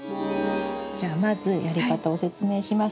じゃあまずやり方を説明します。